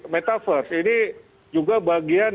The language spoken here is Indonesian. metaverse ini juga bagian